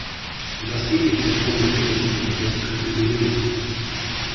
Das Epizentrum befindet sich an der Westküste Indonesiens.